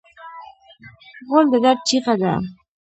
غول د درد چیغه ده.